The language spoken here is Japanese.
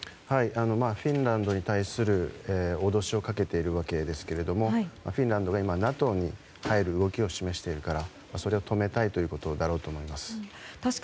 フィンランドに対する脅しをかけているわけですが今、フィンランドがＮＡＴＯに入る動きを示しているのでそれを止めたいということだろうと思います。